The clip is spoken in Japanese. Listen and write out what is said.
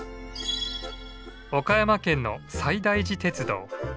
岡山県の西大寺鉄道。